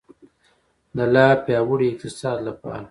د لا پیاوړي اقتصاد لپاره.